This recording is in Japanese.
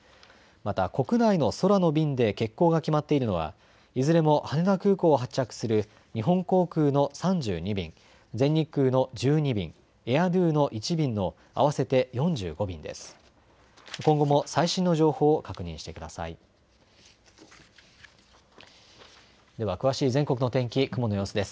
また国内の空の便で欠航が決まっているのはいずれも羽田空港を発着する日本航空の３２便、全日空の１２便、エア・ドゥの１便の合わせて４５便です。